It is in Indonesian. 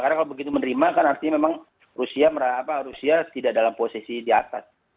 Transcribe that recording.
karena kalau begitu menerima kan artinya memang rusia tidak dalam posisi di atas